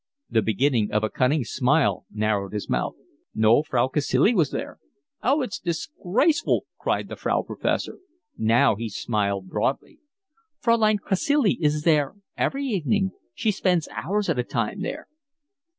The beginning of a cunning smile narrowed his mouth. "No, Fraulein Cacilie was there." "Oh, it's disgraceful," cried the Frau Professor. Now he smiled broadly. "Fraulein Cacilie is there every evening. She spends hours at a time there."